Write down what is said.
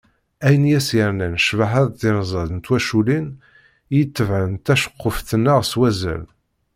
Ayen i as-yernan ccbaḥa d tirza n twaculin i itebɛen taceqquft-nneɣ s wazal.